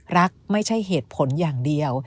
รักไม่ใช่เหตุผลอย่างเดียว